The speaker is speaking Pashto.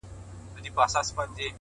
زه به له خپل دياره ولاړ سمه،